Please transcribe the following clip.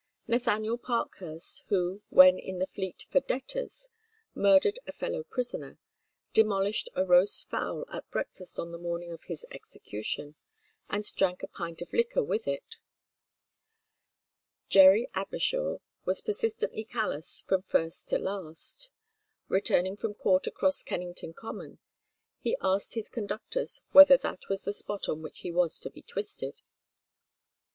Nathaniel Parkhurst, who, when in the Fleet for debtors, murdered a fellow prisoner, demolished a roast fowl at breakfast on the morning of his execution, and drank a pint of liquor with it. Jerry Abershaw was persistently callous from first to last. Returning from court across Kennington Common, he asked his conductors whether that was the spot on which he was to be twisted?